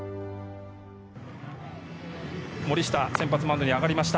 森下、先発マウンドに上がりました。